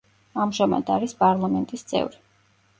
ამჟამად არის პარლამენტის წევრი.